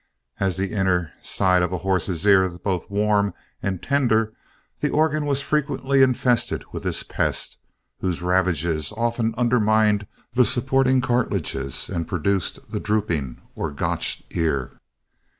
As the inner side of a horse's ear is both warm and tender, that organ was frequently infested with this pest, whose ravages often undermined the supporting cartilages and produced the drooping or "gotch" ear.